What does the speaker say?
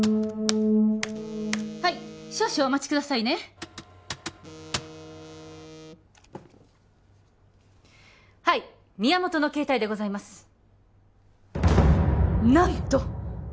はい少々お待ちくださいねはい宮本の携帯でございます何と！？